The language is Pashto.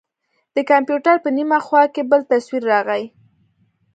د کمپيوټر په نيمه خوا کښې بل تصوير راغى.